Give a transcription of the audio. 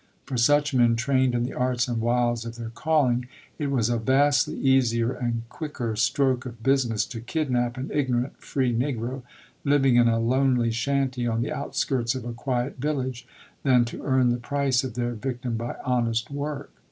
For such men, trained in the arts and wiles of their calling, it was a vastly easier and quicker stroke of business to kidnap an ignorant free negro, living in a lonely shanty on the outskirts of a quiet village, than to earn the price of their victim by honest work.